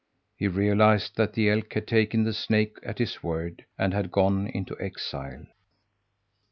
He realized that the elk had taken the snake at his word, and had gone into exile.